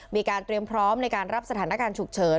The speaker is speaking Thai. มีการเตรียมพร้อมในการรับสถานการณ์ฉุกเฉิน